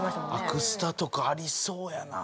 アクスタとかありそうやな。